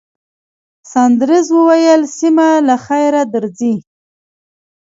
ساندرز وویل، سېمه، له خیره درځئ.